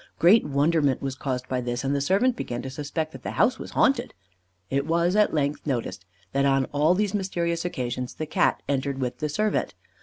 Great wonderment was caused by this, and the servant began to suspect that the house was haunted. It was, at length, noticed that on all these mysterious occasions the Cat entered with the servant.